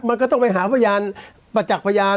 มันก็ต้องไปหาประจักรพยาน